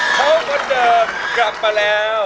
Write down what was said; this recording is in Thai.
เขาคนเดิมกลับมาแล้ว